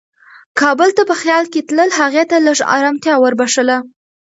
کابل ته په خیال کې تلل هغې ته لږ ارامتیا وربښله.